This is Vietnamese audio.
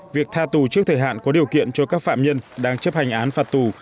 việc tha tù trước thời hạn có điều kiện cho các phạm nhân đang chấp hành án phạt tù